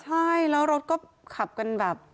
ใช่แล้วรถก็ขับกันแบบ